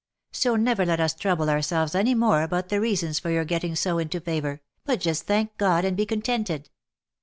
So never let us trouble ourselves any more about the reasons for your getting so into favour, but just thank God, and be contented."